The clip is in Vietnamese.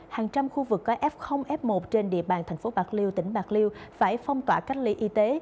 hàng trăm khu vực có f f một trên địa bàn thành phố bạc liêu tỉnh bạc liêu phải phong tỏa cách ly y tế